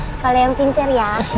sekolah yang pintar ya